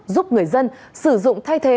giúp người dân sử dụng thay thế